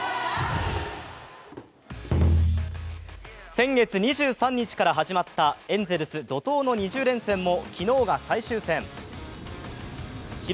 先月２３日から始まったエンゼルス怒とうの２０連戦も昨日が最終日。